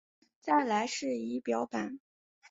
再来是仪表板